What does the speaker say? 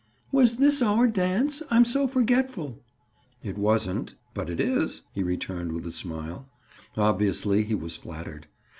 "Was this our dance? I'm so forgetful!" "It wasn't, but it is," he returned with a smile. Obviously he was flattered.